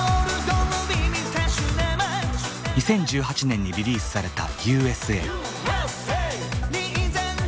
２０１８年にリリースされた「Ｕ．Ｓ．Ａ．」。